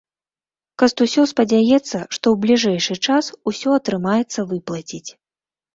Кастусёў спадзяецца, што ў бліжэйшы час ўсё атрымаецца выплаціць.